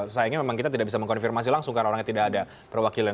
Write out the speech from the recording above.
sayangnya memang kita tidak bisa mengkonfirmasi langsung karena orangnya tidak ada perwakilan